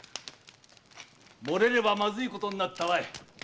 漏れればまずいことになったわい。